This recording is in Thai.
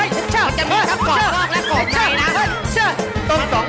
เช่นเจ้าจะมีความกล้อง